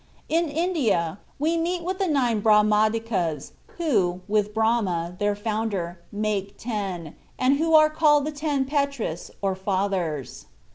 In India we meet with the nine Brahmadikas, who, with Brahma, their founder, make ten, and who are called the Ten Petris, or Fathers.